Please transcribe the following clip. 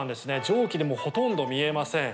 蒸気でほとんど見えません。